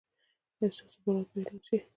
ایا ستاسو برات به اعلان شي؟